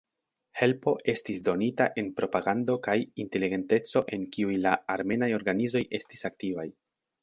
Helpo estis donita en propagando kaj inteligenteco en kiuj la armenaj organizoj estis aktivaj.